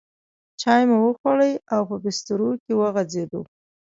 چای مو وخوړې او په بسترو کې وغځېدو.